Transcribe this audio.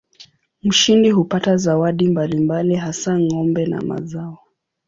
Mshindi hupata zawadi mbalimbali hasa ng'ombe na mazao.